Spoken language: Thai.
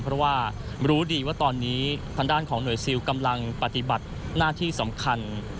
เพราะว่ารู้ดีว่าตอนนี้ทางด้านของหน่วยซิลกำลังปฏิบัติหน้าที่สำคัญ